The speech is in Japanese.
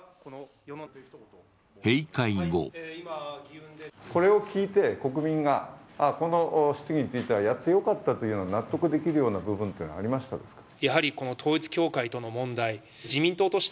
閉会後これを聞いて国民がこの質疑についてはやってよかったというような納得できるような部分はありましたか？